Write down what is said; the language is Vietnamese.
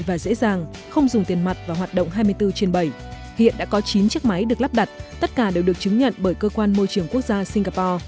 và có tên là norwegian